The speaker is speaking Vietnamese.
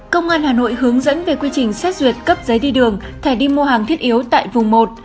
công an hà nội hướng dẫn về quy trình xét duyệt cấp giấy đi đường thẻ đi mua hàng thiết yếu tại vùng một